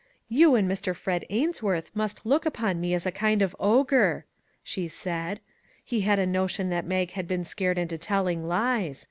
" You and Mr. Fred Ainsworth must look upon me as a kind of ogre !" she said. " He had a notion that Mag had been scared into telling lies.